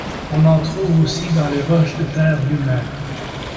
On en trouve aussi dans les roches des terres lunaires.